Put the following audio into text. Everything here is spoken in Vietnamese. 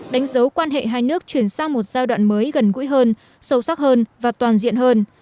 đánh dấu quan hệ hai nước chuyển sang một giai đoạn mới gần gũi hơn sâu sắc hơn và toàn diện hơn